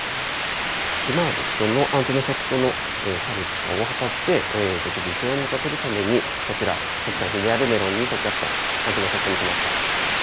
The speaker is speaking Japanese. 今ある既存のアンテナショップとの差別化を図って、独自性を持たせるために、こちら、特産品のメロンに特化したアンテナショップにしました。